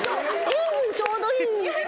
ちょうどいい？